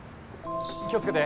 気をつけて。